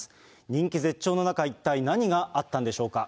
人気絶頂の中、一体何があったんでしょうか。